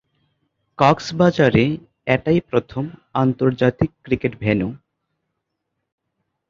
কক্সবাজারে এটাই প্রথম আন্তর্জাতিক ক্রিকেট ভেন্যু।